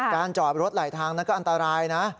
จอดรถไหลทางนั้นก็อันตรายนะ